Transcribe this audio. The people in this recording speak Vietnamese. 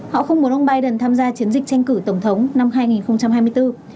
họ không muốn ông biden tham gia chiến dịch tranh cử tổng thống năm hai nghìn hai mươi bốn